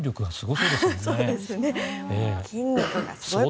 そうですね。